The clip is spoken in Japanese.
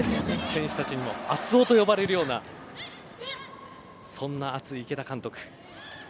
選手たちにも熱男と呼ばれるようなそんな熱い池田監督。